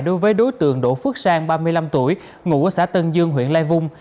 đối với đối tượng đỗ phước sang ba mươi năm tuổi ngụ ở xã tân dương huyện lai vung